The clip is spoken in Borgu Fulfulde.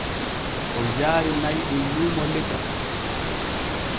O yaari na'i ɗin luumo lesa.